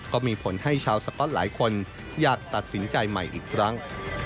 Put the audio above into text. ก็มีผลให้ชาวสก๊อตหลายคนอยากตัดสินใจใหม่อีกครั้ง